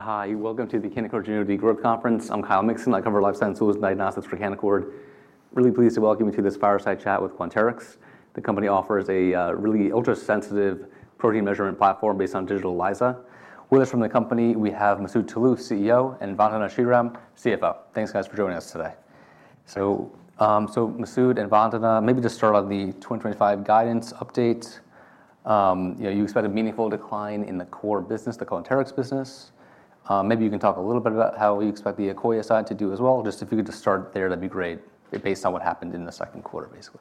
Hi, welcome to the Canaccord Genuity Group Conference. I'm Kyle Mikson. I cover life science, solutions, and diagnostics for Canaccord. Really pleased to welcome you to this fireside chat with Quanterix. The company offers a really ultra-sensitive protein measurement platform based on digital ELISA. With us from the company, we have Masoud Toloue, CEO, and Vandana Sriram, CFO. Thanks, guys, for joining us today. Masoud and Vandana, maybe just start on the 2025 guidance update. You know, you expect a meaningful decline in the core business, the Quanterix business. Maybe you can talk a little bit about how we expect the Akoya side to do as well. If you could just start there, that'd be great, based on what happened in the second quarter, basically.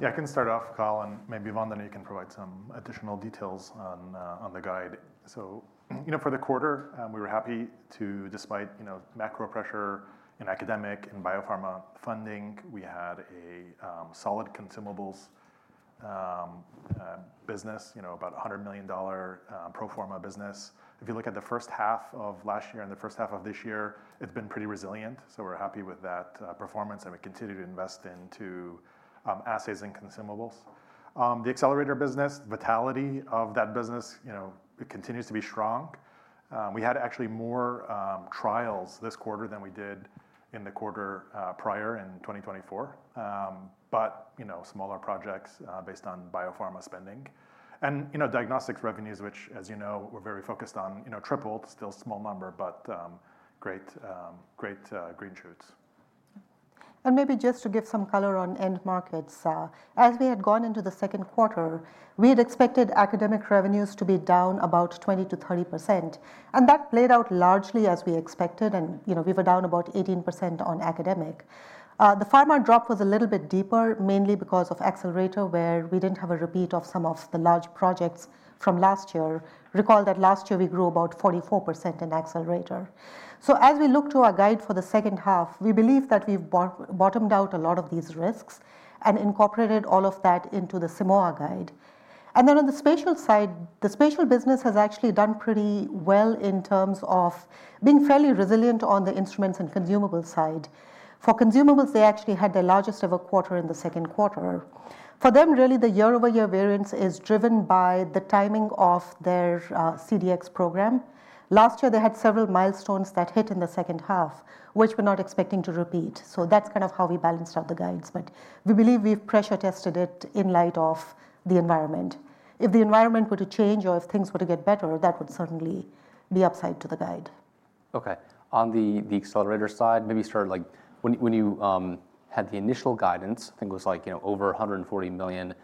Yeah, I can start off, Kyle, and maybe Vandana, you can provide some additional details on the guide. For the quarter, we were happy to, despite macro pressure and academic and biopharma funding, we had a solid consumables business, about a $100 million pro-pharma business. If you look at the first half of last year and the first half of this year, it's been pretty resilient. We're happy with that performance and we continue to invest into assays and consumables. The accelerator lab services business, the vitality of that business, it continues to be strong. We had actually more trials this quarter than we did in the quarter prior in 2024. Smaller projects based on biopharma spending. Diagnostics revenues, which, as you know, we're very focused on, tripled, still a small number, but great green shoots. Maybe just to give some color on end markets, as we had gone into the second quarter, we had expected academic revenues to be down about 20%-30%. That played out largely as we expected. We were down about 18% on academic. The pharma drop was a little bit deeper, mainly because of accelerator lab services, where we didn't have a repeat of some of the large projects from last year. Recall that last year we grew about 44% in accelerator lab services. As we look to our guide for the second half, we believe that we've bottomed out a lot of these risks and incorporated all of that into the Simoa guide. On the spatial side, the spatial business has actually done pretty well in terms of being fairly resilient on the instruments and consumables side. For consumables, they actually had the largest ever quarter in the second quarter. For them, really, the year-over-year variance is driven by the timing of their CDx program. Last year, they had several milestones that hit in the second half, which we're not expecting to repeat. That's kind of how we balanced out the guidance. We believe we've pressure-tested it in light of the environment. If the environment were to change or if things were to get better, that would certainly be upside to the guide. Okay. On the accelerator side, maybe start like when you had the initial guidance, I think it was like, you know, over $140 million.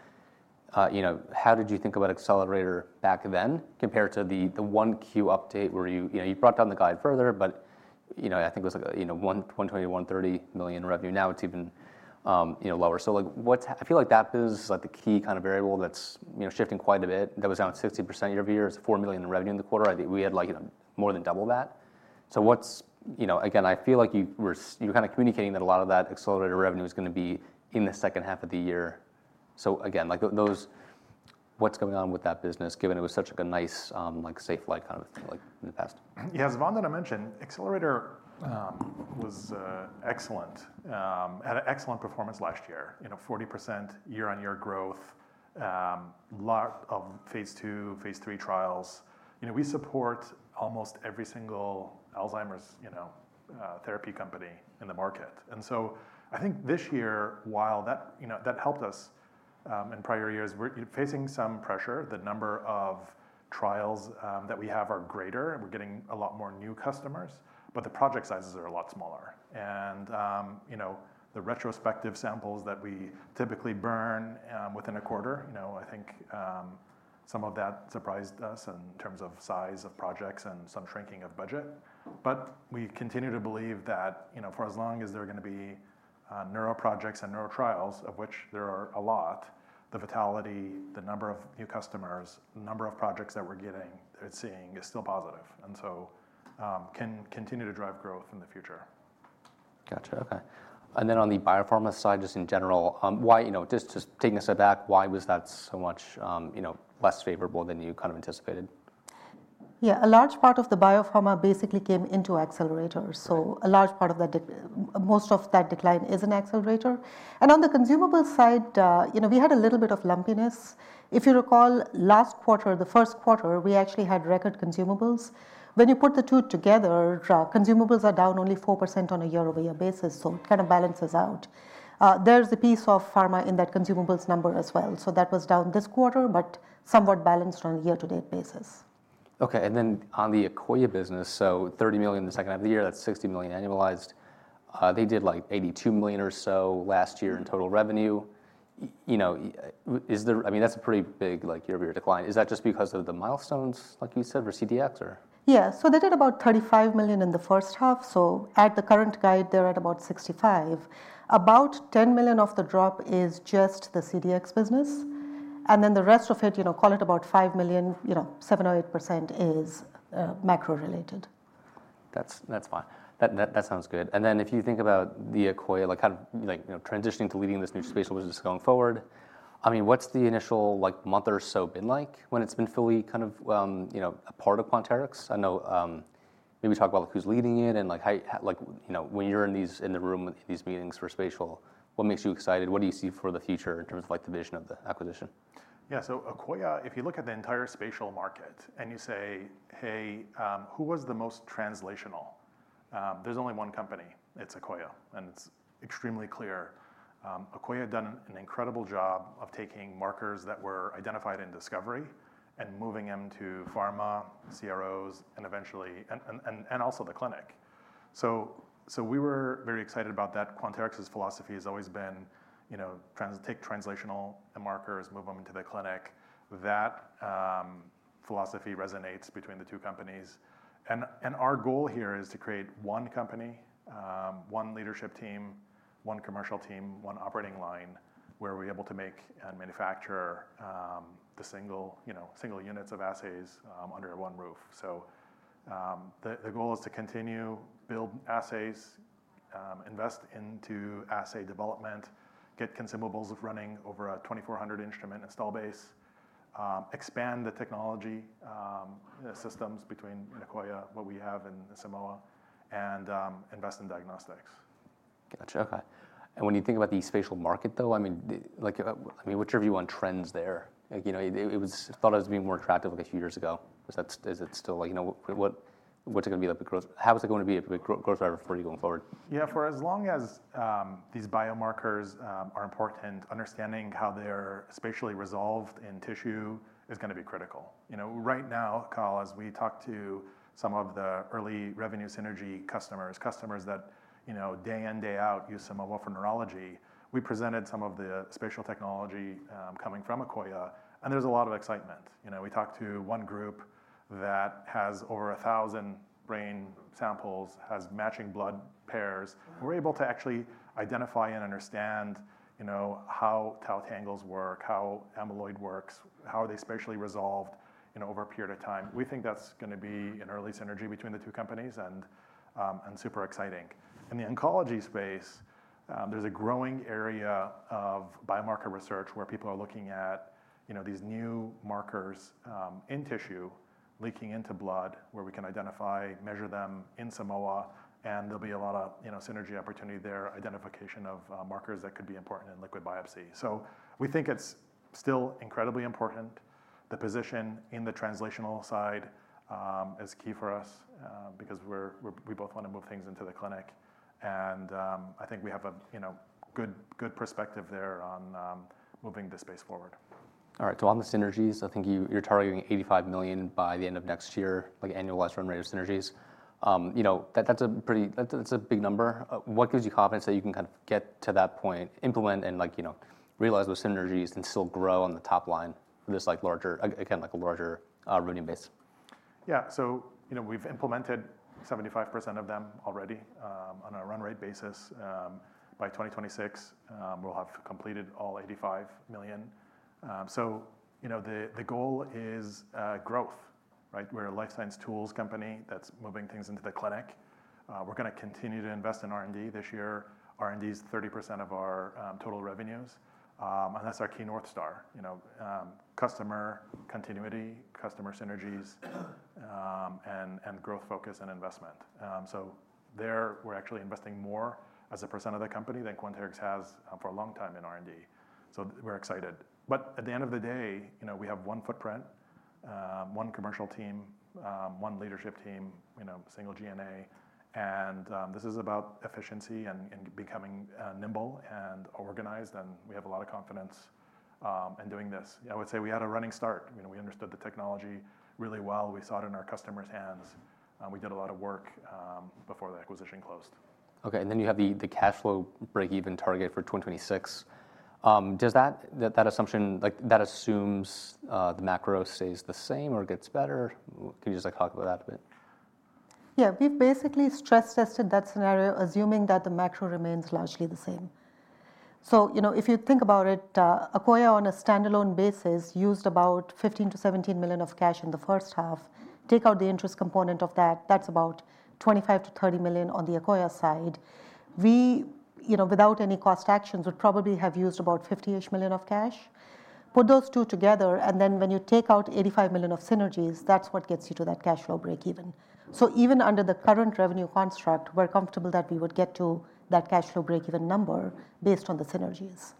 You know, how did you think about accelerator back then compared to the Q1 update where you, you know, you brought down the guide further, but you know, I think it was like, you know, $120 million-$130 million in revenue. Now it's even, you know, lower. I feel like that is the key kind of variable that's, you know, shifting quite a bit. That was down 60% year-over-year. It's $4 million in revenue in the quarter. I think we had, like, you know, more than double that. I feel like you were kind of communicating that a lot of that accelerator revenue is going to be in the second half of the year. Again, what's going on with that business, given it was such a nice, like safe flight kind of a thing, like in the past. Yeah, as Vandana mentioned, accelerator lab services was excellent. Had an excellent performance last year, you know, 40% year-on-year growth. A lot of phase II, phase III trials. You know, we support almost every single Alzheimer's, you know, therapy company in the market. I think this year, while that helped us in prior years, we're facing some pressure. The number of trials that we have are greater, and we're getting a lot more new customers, but the project sizes are a lot smaller. You know, the retrospective samples that we typically burn within a quarter, I think some of that surprised us in terms of size of projects and some shrinking of budget. We continue to believe that, you know, for as long as there are going to be neuro projects and neuro trials, of which there are a lot, the vitality, the number of new customers, the number of projects that we're getting, they're seeing is still positive. Can continue to drive growth in the future. Okay. On the biopharma side, just in general, why, you know, just taking a step back, why was that so much, you know, less favorable than you kind of anticipated? Yeah, a large part of the biopharma basically came into accelerator lab services. A large part of that, most of that decline is in accelerator lab services. On the consumable side, you know, we had a little bit of lumpiness. If you recall last quarter, the first quarter, we actually had record consumables. When you put the two together, consumables are down only 4% on a year-over-year basis. It kind of balances out. There's a piece of pharma in that consumables number as well. That was down this quarter, but somewhat balanced on a year-to-date basis. Okay. On the Akoya business, $30 million in the second half of the year, that's $60 million annualized. They did like $82 million or so last year in total revenue. Is there, I mean, that's a pretty big year-over-year decline. Is that just because of the milestones, like you said, for the CDx program or? Yeah, they did about $35 million in the first half. At the current guide, they're at about $65 million. About $10 million of the drop is just the CDx business, and the rest of it, call it about $5 million, 7% or 8% is macro related. That's fine. That sounds good. If you think about Akoya, transitioning to leading this new spatial business going forward, what's the initial month or so been like when it's been fully a part of Quanterix? Maybe talk about who's leading it and when you're in the room, in these meetings for spatial, what makes you excited? What do you see for the future in terms of the vision of the acquisition? Yeah, so Akoya, if you look at the entire spatial market and you say, hey, who was the most translational? There's only one company. It's Akoya. It's extremely clear. Akoya had done an incredible job of taking markers that were identified in discovery and moving them to pharma, CROs, and eventually also the clinic. We were very excited about that. Quanterix's philosophy has always been, you know, take translational and markers, move them into the clinic. That philosophy resonates between the two companies. Our goal here is to create one company, one leadership team, one commercial team, one operating line, where we're able to make and manufacture the single, you know, single units of assays, under one roof. The goal is to continue to build assays, invest into assay development, get consumables running over a 2,400 instrument install base, expand the technology, the systems between Akoya, what we have in the Simoa, and invest in diagnostics. Okay. When you think about the spatial market, what drove you on trends there? It was thought it was being more attractive a few years ago. Is it still, what is it going to be like with growth? How is it going to be a big growth driver for you going forward? Yeah, for as long as these biomarkers are important, understanding how they're spatially resolved in tissue is going to be critical. Right now, Kyle, as we talk to some of the early revenue synergy customers, customers that day in, day out use some of our neurology, we presented some of the spatial technology coming from Akoya. There's a lot of excitement. We talked to one group that has over 1,000 brain samples, has matching blood pairs. We're able to actually identify and understand how Tau tangles work, how amyloid works, how are they spatially resolved over a period of time. We think that's going to be an early synergy between the two companies and super exciting. In the oncology space, there's a growing area of biomarker research where people are looking at these new markers in tissue, leaking into blood, where we can identify, measure them in Simoa, and there'll be a lot of synergy opportunity there, identification of markers that could be important in liquid biopsy. We think it's still incredibly important. The position in the translational side is key for us, because we both want to move things into the clinic. I think we have a good, good perspective there on moving the space forward. All right. On the synergies, I think you're targeting $85 million by the end of next year, like annualized run-rate synergies. That's a pretty big number. What gives you confidence that you can get to that point, implement and realize those synergies, and still grow on the top line for this larger, again, like a larger revenue base? Yeah, so, you know, we've implemented 75% of them already, on a run-rate basis. By 2026, we'll have completed all $85 million. The goal is growth, right? We're a life science tools company that's moving things into the clinic. We're going to continue to invest in R&D this year. R&D is 30% of our total revenues, and that's our key North Star, you know, customer continuity, customer synergies, and growth focus and investment. We're actually investing more as a percent of the company than Quanterix has for a long time in R&D. We're excited. At the end of the day, you know, we have one footprint, one commercial team, one leadership team, single G&A, and this is about efficiency and becoming nimble and organized, and we have a lot of confidence in doing this. I would say we had a running start. We understood the technology really well. We saw it in our customers' hands. We did a lot of work before the acquisition closed. Okay. You have the cash flow break-even target for 2026. Does that assumption, like, that assumes the macro stays the same or gets better? Can you just talk about that a bit? Yeah, we've basically stress-tested that scenario, assuming that the macro remains largely the same. If you think about it, Akoya on a standalone basis used about $15 million-$17 million of cash in the first half. Take out the interest component of that, that's about $25 million-$30 million on the Akoya side. We, without any cost actions, would probably have used about $58 million of cash. Put those two together, and then when you take out $85 million of synergies, that's what gets you to that cash flow break-even. Even under the current revenue construct, we're comfortable that we would get to that cash flow break-even number based on the synergies.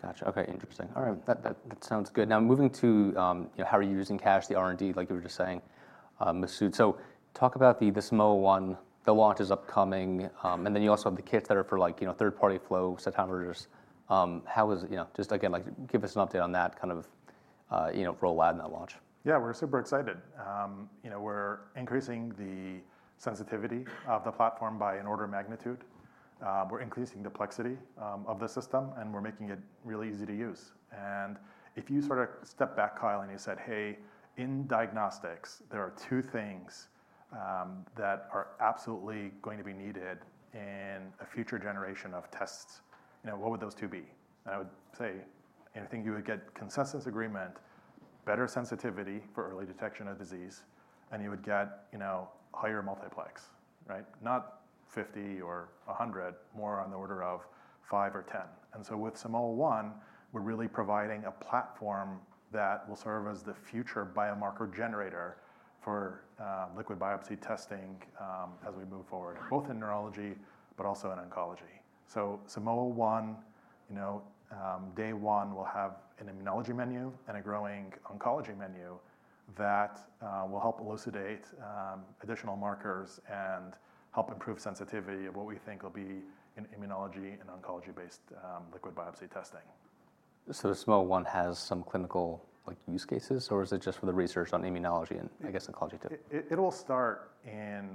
Gotcha. Okay. Interesting. All right. That sounds good. Now, moving to how are you using cash, the R&D, like you were just saying, Masoud. Talk about the Simoa ONE. The launch is upcoming. You also have the kits that are for, like, third-party flow set timers. How is, you know, just again, like give us an update on that kind of rollout in that launch. Yeah, we're super excited. We're increasing the sensitivity of the platform by an order of magnitude, increasing the plexity of the system, and making it really easy to use. If you sort of step back, Kyle, and you said, hey, in diagnostics, there are two things that are absolutely going to be needed in a future generation of tests, what would those two be? I would say, and I think you would get consensus agreement, better sensitivity for early detection of disease, and you would get higher multiplex, right? Not 50 or 100, more on the order of 5 or 10. With Simoa ONE, we're really providing a platform that will serve as the future biomarker generator for liquid biopsy testing as we move forward, both in neurology but also in oncology. Simoa ONE, day one, will have an immunology menu and a growing oncology menu that will help elucidate additional markers and help improve sensitivity of what we think will be an immunology and oncology-based liquid biopsy testing. Does the Simoa ONE have some clinical, like, use cases, or is it just for the research on immunology and, I guess, oncology? It will start in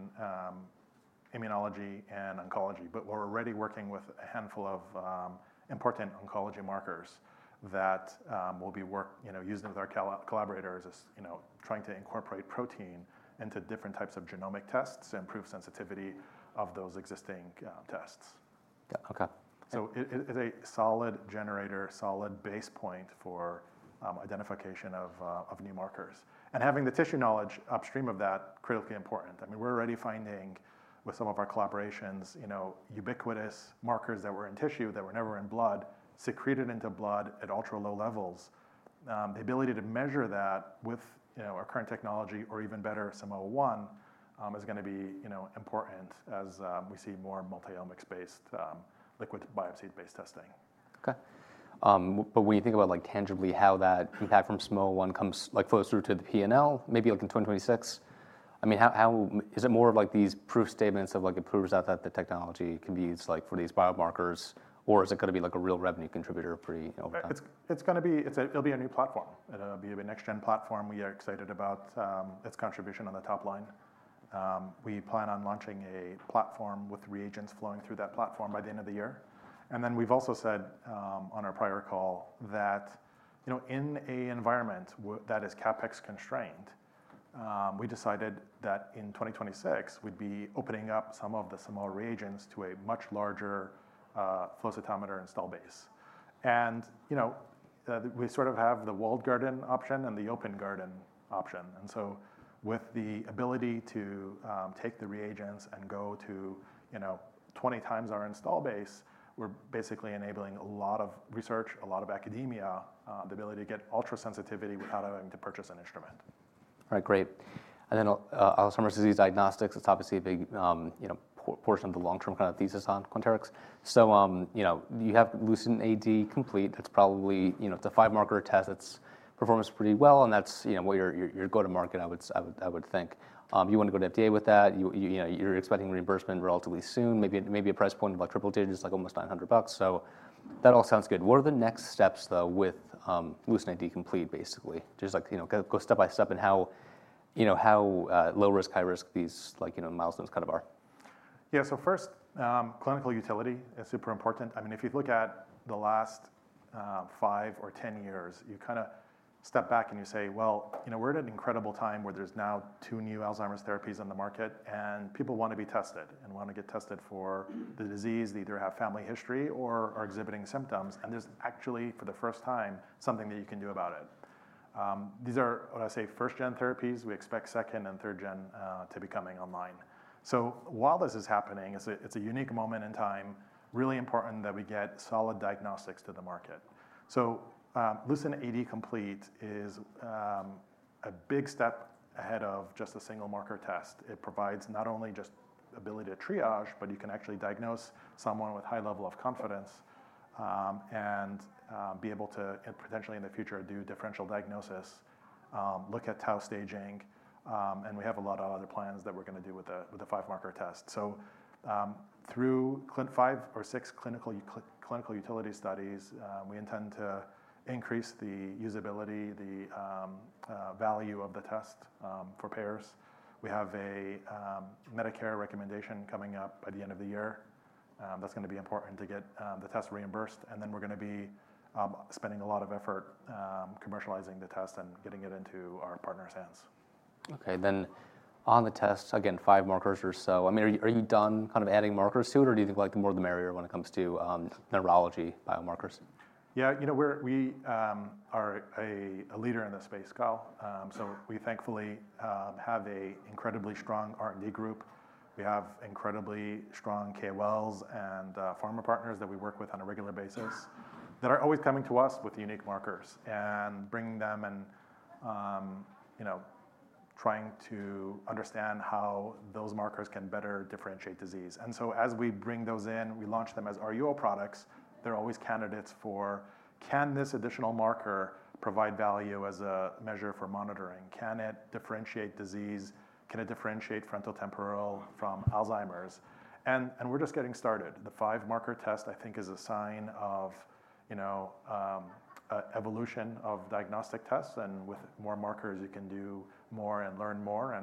immunology and oncology, but we're already working with a handful of important oncology markers that we'll be working using with our collaborators as we're trying to incorporate protein into different types of genomic tests to improve sensitivity of those existing tests. Yeah, okay. It is a solid generator, solid base point for identification of new markers. Having the tissue knowledge upstream of that is critically important. I mean, we're already finding with some of our collaborations ubiquitous markers that were in tissue that were never in blood, secreted into blood at ultra low levels. The ability to measure that with our current technology, or even better, Simoa ONE, is going to be important as we see more multi-omics-based, liquid biopsy-based testing. Okay, but when you think about like tangibly how that feedback from Simoa ONE comes closer to the P&L, maybe like in 2026, how is it more of like these proof statements of like it proves out that the technology can be used for these biomarkers, or is it going to be like a real revenue contributor for the, you know, over time? It's going to be, it'll be a new platform. It'll be a next-gen platform. We are excited about its contribution on the top line. We plan on launching a platform with reagents flowing through that platform by the end of the year. We've also said on our prior call that, you know, in an environment that is CapEx constrained, we decided that in 2026, we'd be opening up some of the Simoa reagents to a much larger flow cytometer install base. We sort of have the walled garden option and the open garden option. With the ability to take the reagents and go to, you know, 20x our install base, we're basically enabling a lot of research, a lot of academia, the ability to get ultra sensitivity without having to purchase an instrument. All right, great. Alzheimer's disease diagnostics, it's obviously a big portion of the long-term kind of thesis on Quanterix. You have LucentAD Complete. That's probably a five-marker test. It's performing pretty well. That's what your go-to-market, I would think, you want to go to FDA with that. You're expecting reimbursement relatively soon, maybe a price point of like triple digits, like almost $900. That all sounds good. What are the next steps with LucentAD Complete, basically? Just go step by step and how low risk, high risk, these milestones kind of are. Yeah, so first, clinical utility is super important. I mean, if you look at the last five or ten years, you kind of step back and you say, well, you know, we're at an incredible time where there's now two new Alzheimer's therapies on the market and people want to be tested and want to get tested for the disease, either have family history or are exhibiting symptoms. There's actually, for the first time, something that you can do about it. These are, when I say first-gen therapies, we expect second and third gen to be coming online. While this is happening, it's a unique moment in time, really important that we get solid diagnostics to the market. LucentAD Complete is a big step ahead of just a single marker test. It provides not only just the ability to triage, but you can actually diagnose someone with a high level of confidence and be able to potentially in the future do differential diagnosis, look at tau staging, and we have a lot of other plans that we're going to do with the five-marker test. Through five or six clinical utility studies, we intend to increase the usability, the value of the test for payers. We have a Medicare recommendation coming up by the end of the year. That's going to be important to get the test reimbursed. We're going to be spending a lot of effort commercializing the test and getting it into our partners' hands. Okay, on the test, again, five markers or so. I mean, are you done kind of adding markers to it, or do you think like the more the merrier when it comes to neurology biomarkers? Yeah, you know, we are a leader in this space, Kyle. We thankfully have an incredibly strong R&D group. We have incredibly strong KOLs and pharma partners that we work with on a regular basis that are always coming to us with unique markers and bringing them and trying to understand how those markers can better differentiate disease. As we bring those in, we launch them as our UL products. They're always candidates for, can this additional marker provide value as a measure for monitoring? Can it differentiate disease? Can it differentiate frontotemporal from Alzheimer's? We're just getting started. The five-marker test, I think, is a sign of an evolution of diagnostic tests. With more markers, you can do more and learn more.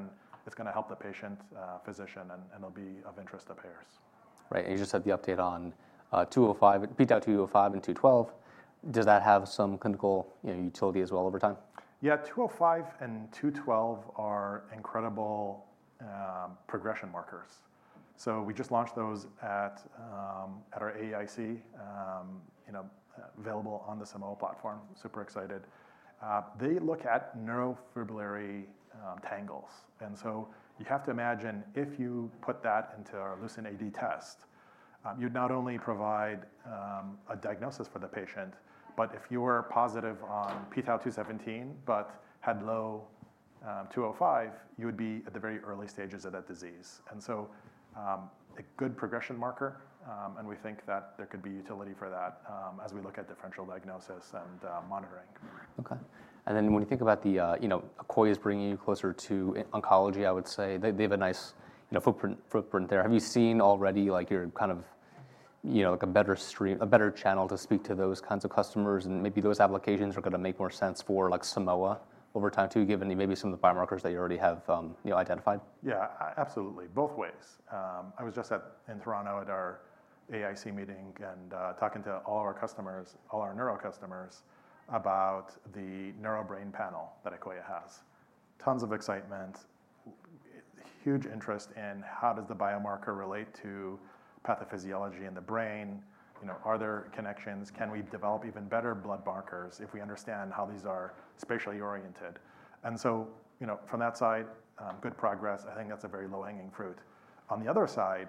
It's going to help the patient, physician, and it'll be of interest to payers. Right. You just said the update on 205, p-Tau 205 and 212. Does that have some clinical utility as well over time? Yeah, 205 and 212 are incredible progression markers. We just launched those at our AEIC, available on the Simoa platform. Super excited. They look at neurofibrillary tangles. You have to imagine if you put that into our LucentAD Complete test, you'd not only provide a diagnosis for the patient, but if you were positive on p-Tau 217 but had low 205, you would be at the very early stages of that disease. A good progression marker, and we think that there could be utility for that as we look at differential diagnosis and monitoring. Okay. When you think about the, you know, Akoya is bringing you closer to oncology, I would say they have a nice, you know, footprint there. Have you seen already like your kind of, you know, like a better stream, a better channel to speak to those kinds of customers and maybe those applications are going to make more sense for like Simoa ONE over time too, given maybe some of the biomarkers that you already have, you know, identified? Yeah, absolutely. Both ways. I was just in Toronto at our AIC meeting, talking to all of our customers, all our neuro customers about the neuro brain panel that Akoya has. Tons of excitement, huge interest in how does the biomarker relate to pathophysiology in the brain? You know, are there connections? Can we develop even better blood markers if we understand how these are spatially oriented? From that side, good progress. I think that's a very low-hanging fruit. On the other side,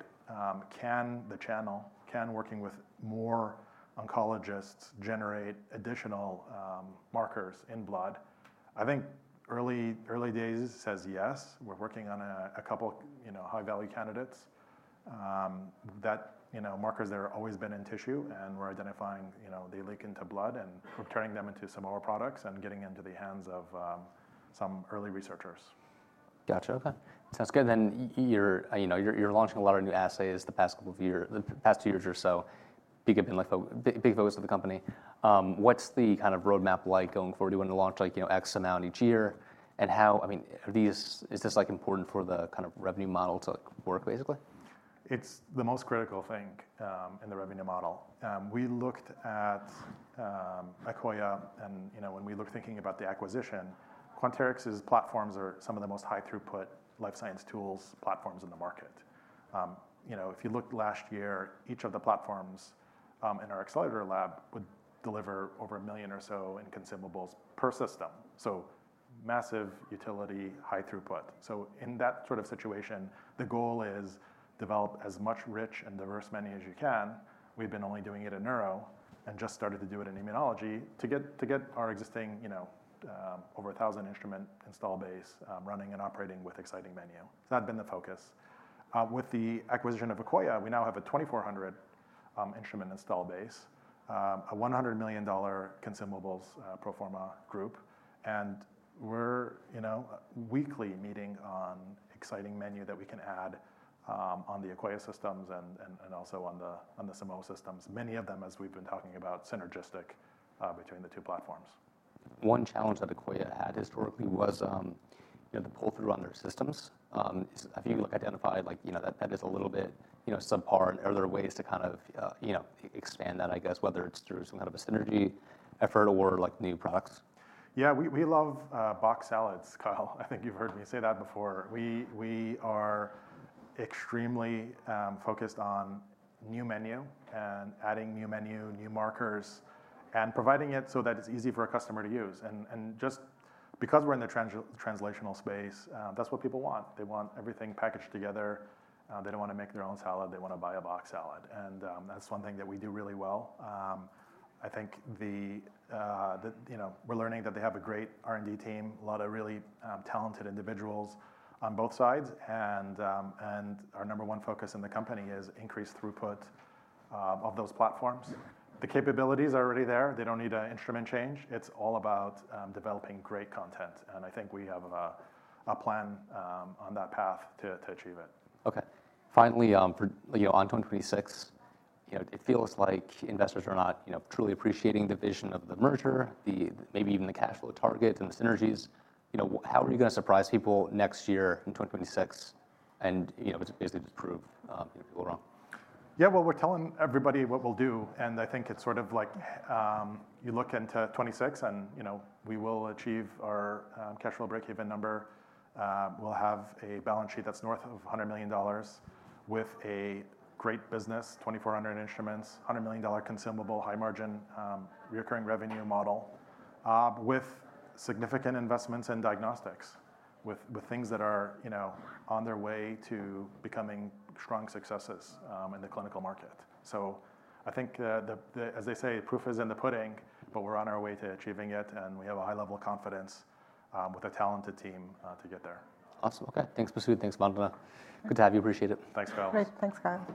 can the channel, can working with more oncologists generate additional markers in blood? I think early days says yes. We're working on a couple high-value candidates, markers that have always been in tissue and we're identifying they leak into blood and turning them into some more products and getting into the hands of some early researchers. Gotcha. Okay. That sounds good. You're launching a lot of new assays the past couple of years, the past two years or so. Big, big focus of the company. What's the kind of roadmap like going forward? Do you want to launch like, you know, X amount each year? How, I mean, is this important for the kind of revenue model to work basically? It's the most critical thing in the revenue model. We looked at Akoya, and you know, when we were thinking about the acquisition, Quanterix's platforms are some of the most high-throughput life science tools platforms in the market. You know, if you looked last year, each of the platforms in our accelerator lab would deliver over $1 million or so in consumables per system. Massive utility, high throughput. In that sort of situation, the goal is to develop as much rich and diverse menu as you can. We've been only doing it in neuro and just started to do it in immunology to get our existing, you know, over 1,000 instrument install base running and operating with exciting menu. That's been the focus. With the acquisition of Akoya, we now have a 2,400 instrument install base, a $100 million consumables pro-pharma group. We're weekly meeting on exciting menu that we can add on the Akoya systems and also on the Simoa systems. Many of them, as we've been talking about, synergistic between the two platforms. One challenge that Akoya had historically was the pull-through on their systems. Have you identified that is a little bit subpar? Are there ways to expand that, I guess, whether it's through some kind of a synergy effort or new products? Yeah, we love box salads, Kyle. I think you've heard me say that before. We are extremely focused on new menu and adding new menu, new markers, and providing it so that it's easy for a customer to use. Just because we're in the translational space, that's what people want. They want everything packaged together. They don't want to make their own salad. They want to buy a box salad. That's one thing that we do really well. I think that, you know, we're learning that they have a great R&D team, a lot of really talented individuals on both sides. Our number one focus in the company is increased throughput of those platforms. The capabilities are already there. They don't need an instrument change. It's all about developing great content. I think we have a plan on that path to achieve it. Okay. Finally, for 2026, it feels like investors are not truly appreciating the vision of the merger, maybe even the cash flow target and the synergies. How are you going to surprise people next year in 2026, if it basically disproves people are wrong? Yeah, we're telling everybody what we'll do. I think it's sort of like, you look into 2026 and, you know, we will achieve our cash flow break-even number. We'll have a balance sheet that's north of $100 million with a great business, 2,400 instruments, $100 million consumable, high margin, recurring revenue model, with significant investments in diagnostics, with things that are, you know, on their way to becoming strong successes in the clinical market. I think the proof is in the pudding, but we're on our way to achieving it. We have a high level of confidence, with a talented team, to get there. Awesome. Okay. Thanks, Masoud. Thanks, Vandana. Good to have you. Appreciate it. Thanks, Kyle. Great. Thanks, Kyle.